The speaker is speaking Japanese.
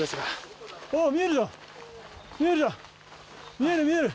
見える見える。